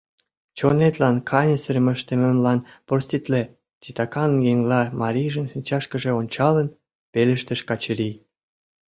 Чонетлан каньысырым ыштымемлан проститле, — титакан еҥла марийжын шинчашкыже ончалын, пелештыш Качырий.